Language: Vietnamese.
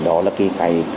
đó là cái